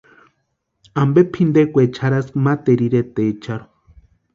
Ampe pʼintekwa jarhaski materu iretecharhu.